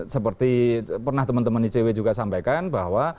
seperti pernah teman teman icw juga sampaikan bahwa